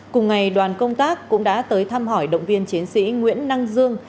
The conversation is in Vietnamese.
cùng ngày đoàn công tác cũng đã tới thăm hỏi động viên chiến sĩ nguyễn năng dương